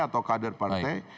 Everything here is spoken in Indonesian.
atau kader partai